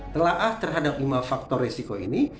telah terhadap lima faktor resiko ini